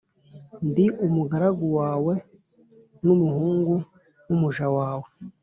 Ndi umugaragu wawe n’umuhungu w’umuja wawe,